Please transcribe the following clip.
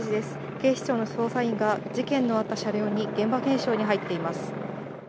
警視庁の捜査員が、事件のあった車両に現場検証に入っています。